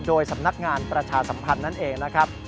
โดยสำนักงานประชาสัมพันธ์นั่นเองนะครับ